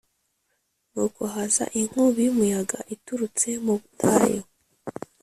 nuko haza inkubi y’umuyaga iturutse mu butayu,